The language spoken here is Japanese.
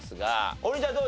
王林ちゃんどう？